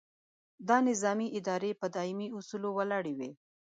دا نظامي ادارې په دایمي اصولو ولاړې وي.